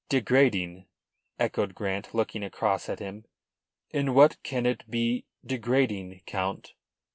"Degrading?" echoed Grant, looking across at him. "In what can it be degrading, Count?"